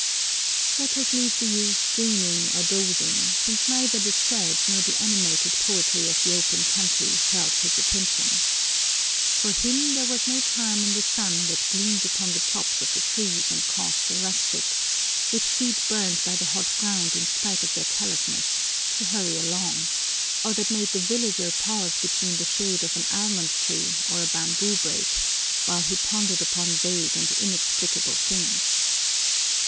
Let us leave the youth dreaming or dozing, since neither the sad nor the animated poetry of the open country held his attention. For him there was no charm in the sun that gleamed upon the tops of the trees and caused the rustics, with feet burned by the hot ground in spite of their callousness, to hurry along, or that made the villager pause beneath the shade of an almond tree or a bamboo brake while he pondered upon vague and inexplicable things.